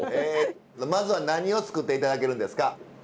まずは何を作って頂けるんですか？